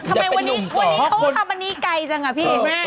ทำไมวันนี้เขาทำอันนี้ไกลจังอ่ะพี่